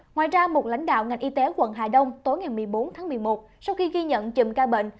ngoài ra một lãnh đạo ngành y tế quận hà đông tối ngày một mươi bốn tháng một mươi một sau khi ghi nhận chùm ca bệnh